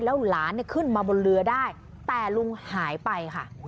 แล้วหลานขึ้นมาบนเรือได้แต่ลุงหายไปค่ะ